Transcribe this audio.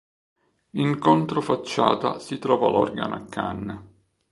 In controfacciata si trova l'organo a canne.